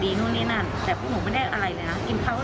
โดนสาดเหรอไหมคะ